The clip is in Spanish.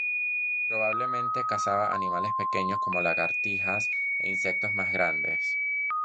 Probablemente cazaba animales pequeños como lagartijas e insectos más grandes.